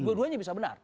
beberduanya bisa benar